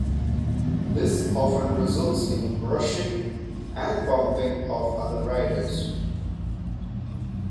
This often results in brushing and bumping off other riders.